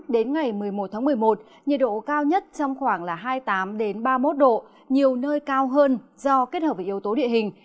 đến ngày một mươi một tháng một mươi một nhiệt độ cao nhất trong khoảng hai mươi tám ba mươi một độ nhiều nơi cao hơn do kết hợp với yếu tố địa hình